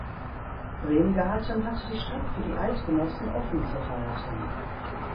Bremgarten hatte die Stadt für die Eidgenossen offenzuhalten.